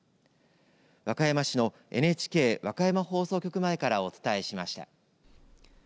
和歌山市のＮＨＫ和歌山放送局前からお伝えしました。